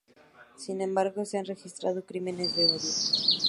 Sin embargo, se han registrado crímenes de odio.